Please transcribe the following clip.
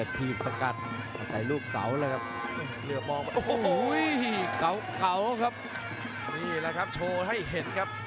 นี่แหละครับโชว์ให้เห็นครับ